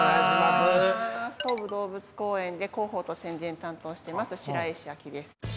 東武動物公園で広報と宣伝担当してます白石陽です。